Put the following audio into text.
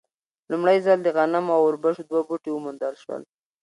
لومړی ځل د غنمو او اوربشو دوه بوټي وموندل شول.